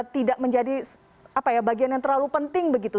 tidak menjadi bagian yang terlalu penting begitu